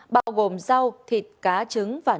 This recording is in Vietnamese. bao gồm rau thịt cá trứng và nước